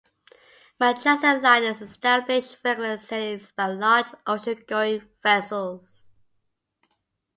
Manchester Liners established regular sailings by large ocean-going vessels.